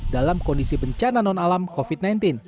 dalam kondisi bencana non alam covid sembilan belas